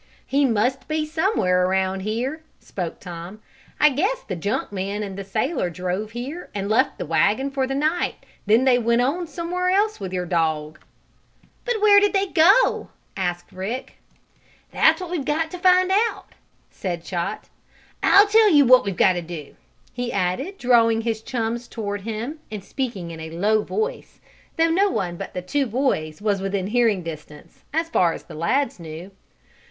"He must be somewhere around here," spoke Tom. "I guess the junk man and the sailor drove here, and left the wagon for the night. Then they went on somewhere else with your dog." "But where did they go?" asked Rick. "That's what we got to find out," said Chot. "I'll tell you what we've got to do," he added, drawing his chums toward him, and speaking in a low voice, though no one but the two boys was within hearing distance, as far as the lads knew.